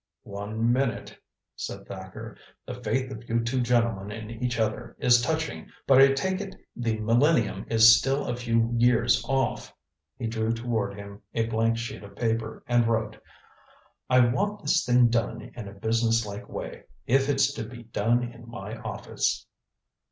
"One minute," said Thacker. "The faith of you two gentlemen in each other is touching, but I take it the millennium is still a few years off." He drew toward him a blank sheet of paper, and wrote. "I want this thing done in a businesslike way, if it's to be done in my office."